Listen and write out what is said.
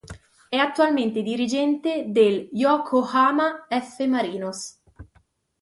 È attualmente dirigente del Yokohama F·Marinos.